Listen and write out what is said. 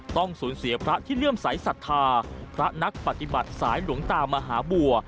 ต้องสูญเสียพระที่เลื่อมสายศรัทธาพระนักปฏิบัติสายหลวงตามหาบัว